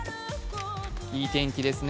いい天気ですね。